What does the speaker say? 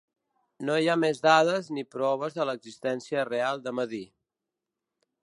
No hi ha més dades ni proves de l'existència real de Medir.